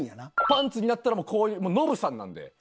パンツになったらもうノブさんなんで。